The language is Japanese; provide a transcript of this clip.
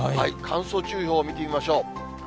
乾燥注意報見てみましょう。